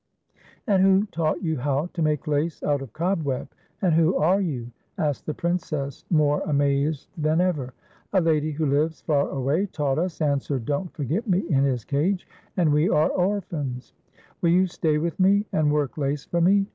" And who taught you how to make lace out of cobweb, and who are you ?" asked the Princess, more amazed than ever. " A lady who lives far away taught us," answered Don't Forget Me in his cage ;" and we are orphans." " Will you stay with me and work lace for me